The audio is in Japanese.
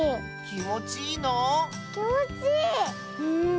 きもちいい！